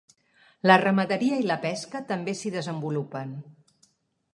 La ramaderia i la pesca també s'hi desenvolupen.